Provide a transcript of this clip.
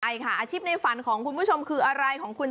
เลยค่ะอาชีพในฝันของคุณผู้ชมคืออะไร